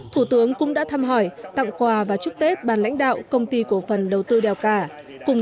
thủ tướng cũng đã thăm hỏi tặng quà và chúc tết ban lãnh đạo công ty cổ phần đầu tư đèo cả